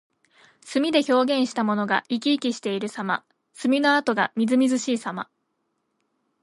墨で表現したものが生き生きしているさま。墨の跡がみずみずしいさま。